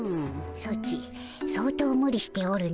ソチ相当ムリしておるの。